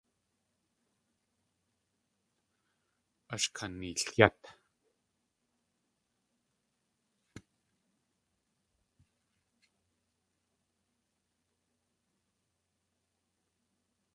Ash kaneelyát!